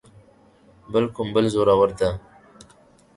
بل کوم بل زورور ته.